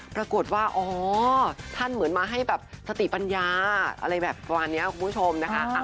ปรากฏว่าอ๋อท่านเหมือนมาให้แบบสติปัญญาอะไรแบบประมาณนี้คุณผู้ชมนะคะ